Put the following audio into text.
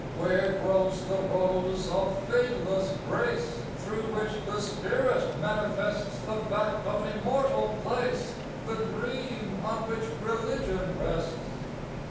Where grows the rose of fadeless Grace? Through which the spirit manifests The fact of an immortal place, The dream on which religion rests.